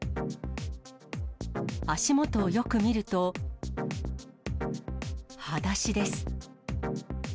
足元をよく見ると、はだしです。